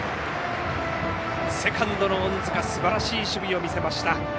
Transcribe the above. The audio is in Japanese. セカンドの隠塚すばらしい守備を見せました。